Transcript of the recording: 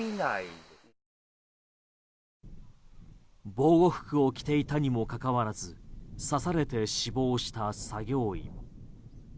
防護服を着ていたにもかかわらず刺されて死亡した作業員。